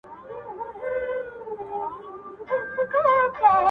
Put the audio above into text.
ه ياره تا زما شعر لوسته زه دي لــوســتم؛